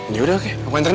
ya udah oke aku enter nih